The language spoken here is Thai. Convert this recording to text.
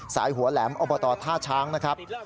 หัวแหลมอบตท่าช้างนะครับ